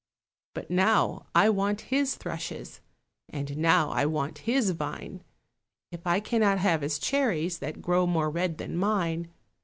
But now I want his thrushes, And now I want his vine, If I cannot have his cherries That grow more red than mine.